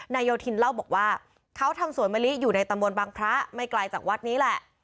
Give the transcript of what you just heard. โยธินเล่าบอกว่าเขาทำสวนมะลิอยู่ในตำบลบางพระไม่ไกลจากวัดนี้แหละ